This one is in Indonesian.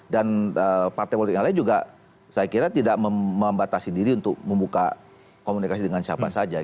dan partai politik yang lain juga saya kira tidak membatasi diri untuk membuka komunikasi dengan siapa saja